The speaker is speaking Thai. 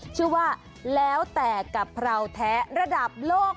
ชื่อว่าแล้วแต่กะเพราแท้ระดับโลก